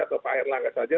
atau pak erlangga saja